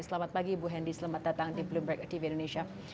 selamat pagi ibu hendy selamat datang di bloomberg tv indonesia